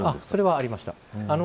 それはありました。